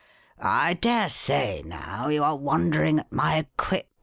I dare say, now, you are wondering at my equipment